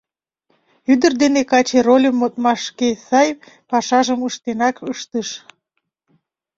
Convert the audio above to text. Ӱдыр ден каче рольым модмаш шке сай пашажым ыштенак ыштыш.